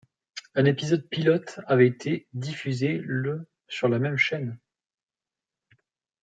Un épisode pilote avait été diffusé le sur la même chaîne.